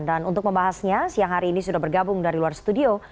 dan untuk membahasnya siang hari ini sudah bergabung dari luar studio